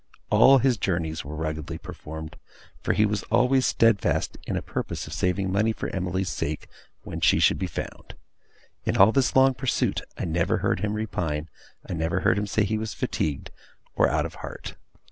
All his journeys were ruggedly performed; for he was always steadfast in a purpose of saving money for Emily's sake, when she should be found. In all this long pursuit, I never heard him repine; I never heard him say he was fatigued, or out of heart.